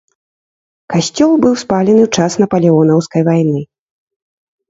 Касцёл быў спалены ў час напалеонаўскай вайны.